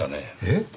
えっ？